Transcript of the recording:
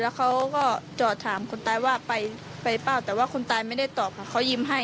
แล้วเขาก็จอดถามคนตายว่าไปเปล่าแต่ว่าคนตายไม่ได้ตอบค่ะเขายิ้มให้